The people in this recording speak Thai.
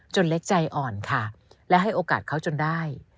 เล็กใจอ่อนค่ะและให้โอกาสเขาจนได้